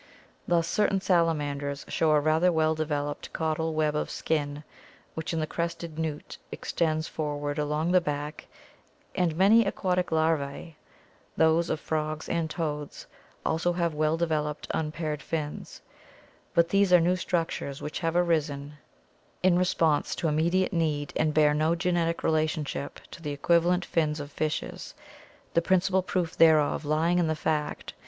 Thus certain salamanders show a rather well developed caudal web of skin which in the crested newt extends forward along the back, and many aquatic larvae, those of frogs and toads, also have well developed unpaired fins. But these are new structures which have arisen in response to ORGANIC EVOLUTION immediate need and bear no genetic relationship to the equivalent fins of fishes, the principal proof thereof lying in the fact that there FlG.